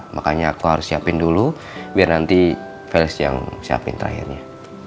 makanya aku harus siapin dulu biar nanti fans yang siapin terakhirnya